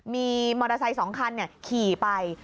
มีมอเตอร์ไซค์๒คันขี่ไป